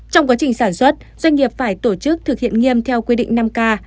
trong quá trình sản xuất doanh nghiệp phải tổ chức thực hiện nghiêm theo quy định năm k